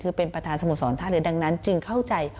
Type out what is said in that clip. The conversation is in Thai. คือเป็นประธานสโมสรท่าเรือดังนั้นจึงเข้าใจ